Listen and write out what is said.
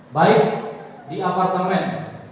baik di apartemen